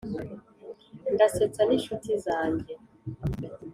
ndasetsa n'inshuti zanjye